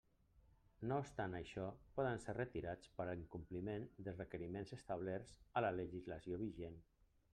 No obstant això, poden ser retirats per incompliment dels requeriments establerts a la legislació vigent.